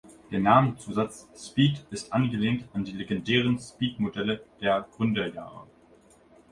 Der Namenszusatz "Speed" ist angelehnt an die legendären Speed-Modell der Gründerjahre.